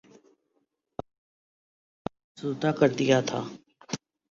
پاکستان کی شکست نے افسردہ کردیا تھا